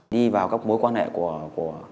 đi vào các mối quan hệ của yến